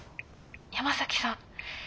山崎さん